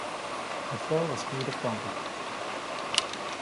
The floor was made of concrete.